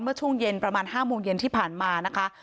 เมื่อช่วงเย็นประมาณ๕โมงเย็นที่ผ่านมานะคะ